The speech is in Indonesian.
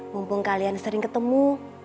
mumpung kalian sering ketemu